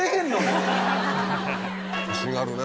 欲しがるね